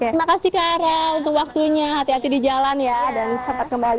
terima kasih kara untuk waktunya hati hati di jalan ya dan selamat kembali